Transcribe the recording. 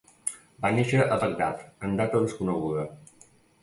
Va néixer a Bagdad en data desconeguda.